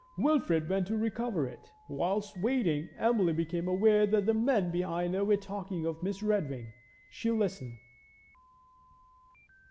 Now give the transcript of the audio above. Wilfrid went to recover it. Whilst waiting, Emily became aware that the men behind her were talking of Miss Redwing; she listened.